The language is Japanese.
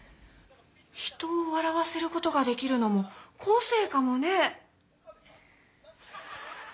人をわらわせることができるのもこせいかもね！